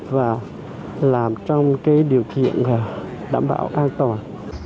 và làm trong điều kiện đảm bảo an toàn